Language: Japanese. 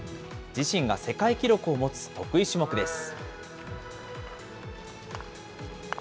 自身が世界記録を持つ得意種目です。